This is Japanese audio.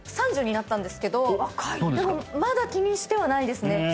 ３０になったんですけどでもまだ気にしてはないですね